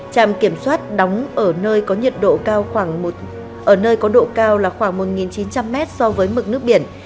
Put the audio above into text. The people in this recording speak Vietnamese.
trạm kiểm soát đóng ở nơi có nhiệt độ cao khoảng một chín trăm linh m so với mực nước biển